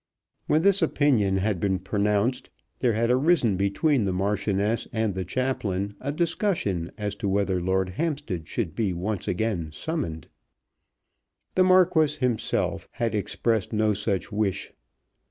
When this opinion had been pronounced there had arisen between the Marchioness and the chaplain a discussion as to whether Lord Hampstead should be once again summoned. The Marquis himself had expressed no such wish.